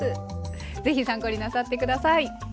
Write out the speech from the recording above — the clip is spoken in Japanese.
ぜひ参考になさって下さい。